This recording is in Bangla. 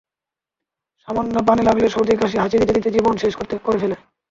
সামান্য পানি লাগলে সর্দি, কাশি, হাঁচি দিতে দিতে জীবন শেষ করে ফেলে।